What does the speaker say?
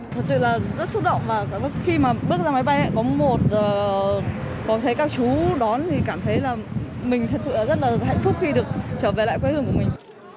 thật sự là rất xúc động và khi mà bước ra máy bay có một con thấy các chú đón thì cảm thấy là mình thật sự là rất là hạnh phúc khi được trở về lại quê hương của mình